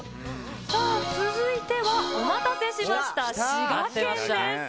さあ、続いては、お待たせしました、滋賀県です。